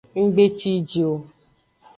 Nggbe ciji o.